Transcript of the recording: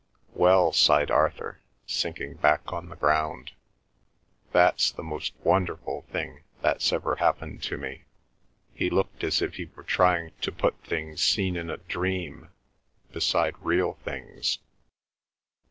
"Well," sighed Arthur, sinking back on the ground, "that's the most wonderful thing that's ever happened to me." He looked as if he were trying to put things seen in a dream beside real things.